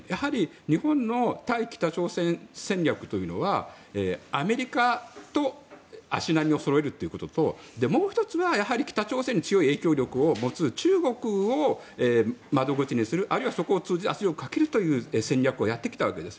日本の対北朝鮮戦略というのはアメリカと足並みをそろえるということともう１つはやはり北朝鮮に強い影響力を持つ中国を窓口にするあるいはそこを通じて圧力をかけるという戦略をやってきたわけです。